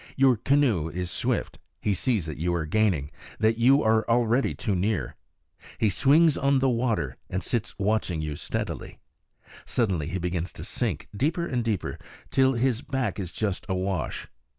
Your canoe is swift; he sees that you are gaining, that you are already too near. He swings on the water, and sits watching you steadily. Suddenly he begins to sink, deeper and deeper, till his back is just awash.